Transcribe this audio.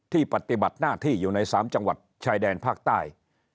ปฏิบัติหน้าที่อยู่ใน๓จังหวัดชายแดนภาคใต้